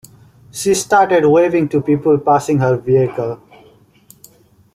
She started waving to people passing her vehicle.